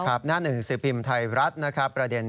หน้าหนึ่งสือพิมพ์ไทยรัฐนะครับประเด็น